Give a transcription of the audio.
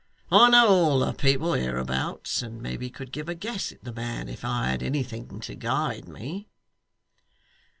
I know all the people hereabouts, and maybe could give a guess at the man, if I had anything to guide me.